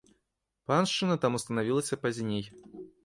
Паншчына там устанавілася пазней.